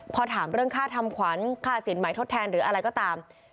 พอถามเรื่องค่าทำขวัญค่าสินใหม่ทดแทนหรืออะไรก็ตาม